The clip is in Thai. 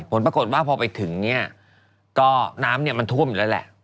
ผลปรากฏว่าพอไปถึงน้ำมันท่วมอยู่แล้วแหละ